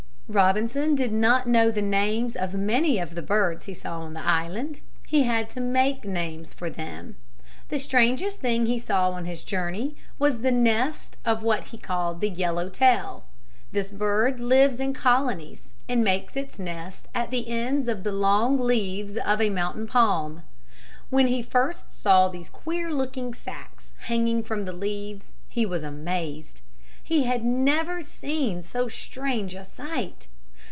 Robinson did not know the names of many of the birds he saw on the island. He had to make names for them. The strangest thing he saw on his journey was the nest of what he called the yellow tail. This bird lives in colonies and makes its nest at the ends of the long leaves of the mountain palm. When he first saw these queer looking sacks hanging from the leaves he was amazed. He had never seen so strange a sight.